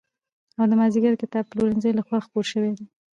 او د مازدېګر کتابپلورنځي له خوا خپور شوی دی.